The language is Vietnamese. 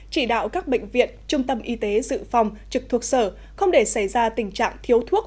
chỉ đạo các bệnh viện trung tâm y tế dự phòng trực thuộc sở không để xảy ra tình trạng thiếu thuốc